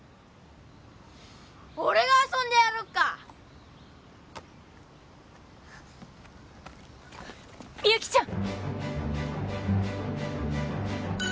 俺が遊んでやろっかみゆきちゃん！